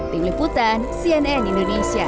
tim liputan cnn indonesia